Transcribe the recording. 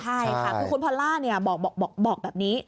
ใช่คุณพอลล่าบอกแบบนี้